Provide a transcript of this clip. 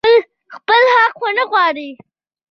خپل حق ونه غواړي.